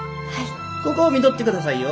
ここ見とってくださいよ。